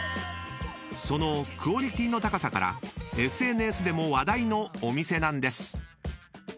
［そのクオリティーの高さからＳＮＳでも話題のお店なんです］